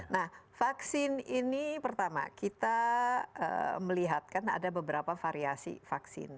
nah vaksin ini pertama kita melihat kan ada beberapa variasi vaksin